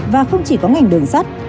và không chỉ có ngành đường sát